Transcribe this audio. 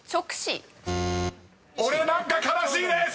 ［俺何か悲しいです！］